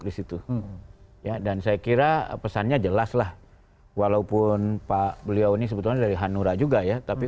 di situ ya dan saya kira pesannya jelas lah walaupun pak beliau ini sebetulnya dari hanura juga ya tapi